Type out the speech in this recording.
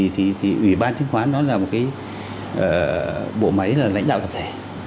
thì ủy ban chứng khoán nó là một cái bộ máy là lãnh đạo tập thể